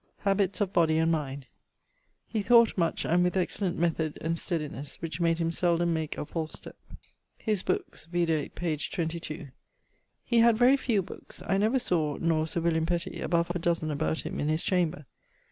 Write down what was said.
<_Habits of body and mind._> He thought much and with excellent method and stedinesse, which made him seldome make a false step. His bookes, vide page 22. ☞ He had very few bookes. I never sawe (nor Sir William Petty) above halfe a dozen about him in his chamber.